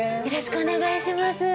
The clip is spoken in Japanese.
よろしくお願いします。